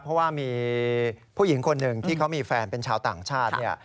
เพราะว่ามีผู้หญิงคนหนึ่งที่เขามีแฟนเป็นชาวต่างชาติเนี่ย